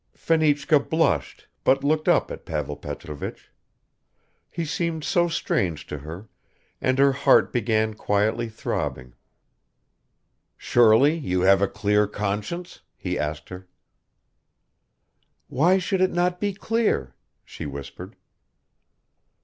Fenichka blushed but looked up at Pavel Petrovich. He seemed so strange to her and her heart began quietly throbbing. "Surely you have a clear conscience?" he asked her. "Why should it not be clear?" she whispered.